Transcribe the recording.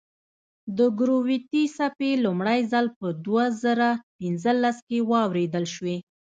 د ګرویتي څپې لومړی ځل په دوه زره پنځلس کې واورېدل شوې.